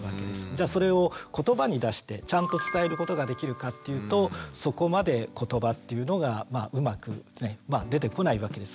じゃあそれを言葉に出してちゃんと伝えることができるかっていうとそこまで言葉っていうのがうまく出てこないわけです